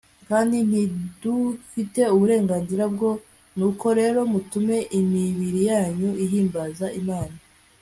kandi ntidufite uburenganzira bwo k. nuko rero mutume imibiri yanyu ihimbaza imana